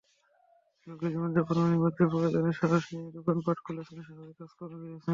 লোকে জীবনযাপনের অনিবার্য প্রয়োজনেই সাহস নিয়ে দোকানপাট খুলেছেন, স্বাভাবিক কাজকর্মে ফিরেছেন।